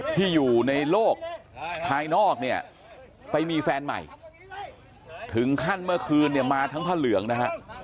ที่อยู่ในโลกภายนอกเนี่ยไปมีแฟนใหม่ถึงขั้นเมื่อคืนเนี่ยมาทั้งผ้าเหลืองนะฮะ